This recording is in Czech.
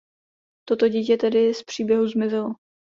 Toto dítě tedy z příběhu zmizelo.